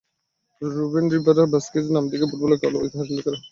Ruben Rivera Vasquez নামটিকে ফুটবলের কালো ইতিহাসে লিখে রাখতে হবে আলাদা করেই।